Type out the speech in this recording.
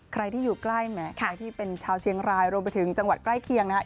ใครที่อยู่ใกล้แหมใครที่เป็นชาวเชียงรายรวมไปถึงจังหวัดใกล้เคียงนะครับ